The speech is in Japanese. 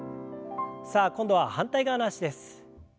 さあ今度は反対側の脚です。